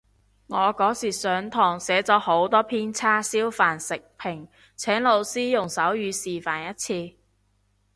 我嗰時上堂寫咗好多篇叉燒飯食評，請老師用手語示範一次